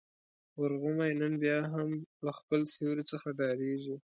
ورغومی نن بيا هم له خپل سیوري څخه ډارېږي.